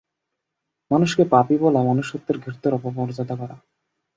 মানুষকে পাপী বলা মনুষ্যত্বের ঘোরতর অমর্যাদা করা।